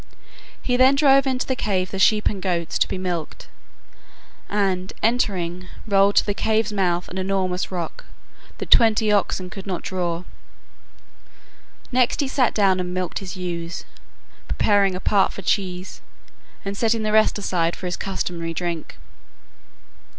He then drove into the cave the sheep and goats to be milked, and, entering, rolled to the cave's mouth an enormous rock, that twenty oxen could not draw. Next he sat down and milked his ewes, preparing a part for cheese, and setting the rest aside for his customary drink.